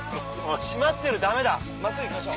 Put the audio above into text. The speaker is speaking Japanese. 閉まってるダメだ真っすぐ行きましょう！